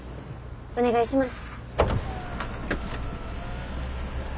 お願いします。